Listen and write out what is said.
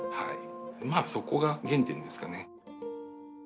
まあそこが原点ですかね。